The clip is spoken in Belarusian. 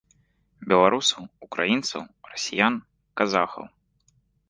Беларусаў, украінцаў, расіян, казахаў.